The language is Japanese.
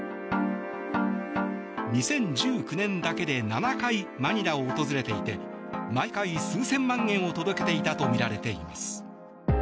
２０１９年だけで７回マニラを訪れていて毎回、数千万円を届けていたとみられています。